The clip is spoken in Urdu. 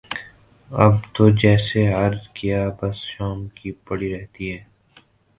اب تو جیسے عرض کیا بس شام کی پڑی رہتی ہے